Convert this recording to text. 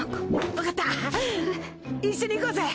わかった一緒に行こうぜ。